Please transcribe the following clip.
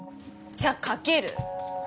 じゃあ賭ける？